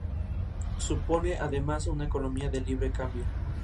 Actualmente se encuentra expuesto en el Museo Metropolitano de Nueva York.